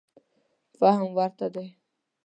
فهم ورته دی.